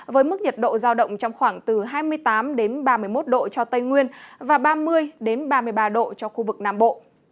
với mức nhiệt độ giao động trong khoảng từ hai mươi tám ba mươi một độ cho tây nguyên và ba mươi ba mươi ba độ cho khu vực nam bộ